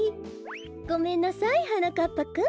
ごめんなさいはなかっぱくん。